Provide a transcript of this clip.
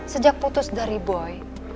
sejak putus dari boy